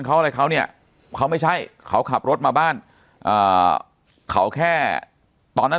เขาอะไรเขาเนี่ยเขาไม่ใช่เขาขับรถมาบ้านอ่าเขาแค่ตอนนั้น